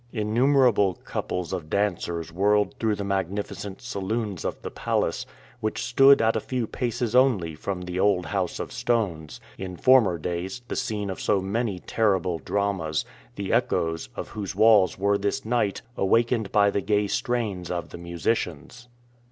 Innumerable couples of dancers whirled through the magnificent saloons of the palace, which stood at a few paces only from the "old house of stones" in former days the scene of so many terrible dramas, the echoes of whose walls were this night awakened by the gay strains of the musicians.